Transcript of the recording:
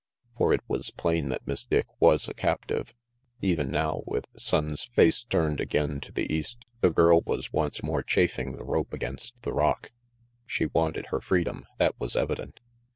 For it was plain that Miss Dick was a captive. Even now, with Sonnes' face turned again to the east, the girl was once more chafing the rope against the rock. She wanted her freedom; that was evident.